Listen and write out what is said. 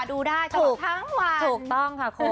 ดูได้จำเป็นทั้งวันถูกต้องค่ะโครง